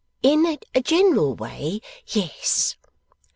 In a general way, yes.